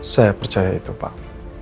saya percaya itu pak